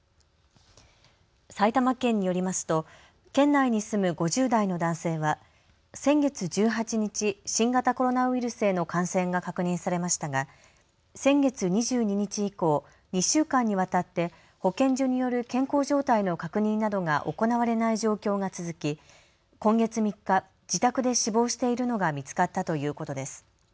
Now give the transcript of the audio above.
埼玉県によりますと県内に住む５０代の男性は先月１８日、新型コロナウイルスへの感染が確認されましたが先月２２日以降、２週間にわたって保健所による健康状態の確認などが行われない状況が続き今月３日、自宅で死亡しているのが見つかったということです。